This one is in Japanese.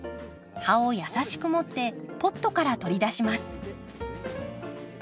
葉を優しく持ってポットから取り出します。